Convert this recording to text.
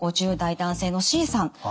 ５０代男性のＣさん。